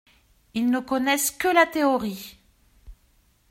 Ils ne connaissent que la théorie !…